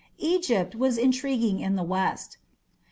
Egypt was intriguing in the west.